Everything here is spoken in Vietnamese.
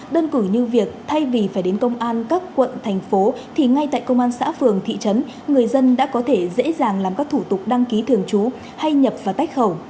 đơn cử như việc thay vì phải đến công an các quận thành phố thì ngay tại công an xã phường thị trấn người dân đã có thể dễ dàng làm các thủ tục đăng ký thường trú hay nhập và tách khẩu